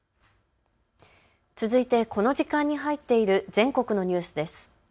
続いて、この時間に入っている全国のニュースです。